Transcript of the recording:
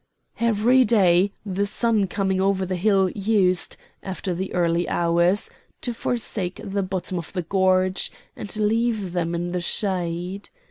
Every day the sun coming over the hill used, after the early hours, to forsake the bottom of the gorge and leave them in the shade.